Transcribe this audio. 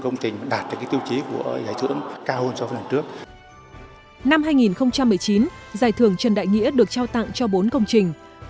năm hai nghìn một mươi chín giải thưởng trần đại nghĩa được trao tặng cho bốn công trình